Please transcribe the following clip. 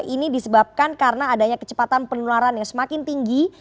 ini disebabkan karena adanya kecepatan penularan yang semakin tinggi